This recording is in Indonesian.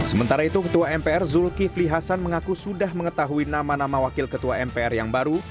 sementara itu ketua mpr zulkifli hasan mengaku sudah mengetahui nama nama wakil ketua mpr yang baru